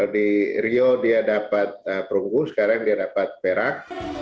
di rio dia dapat perunggu sekarang dia dapat perak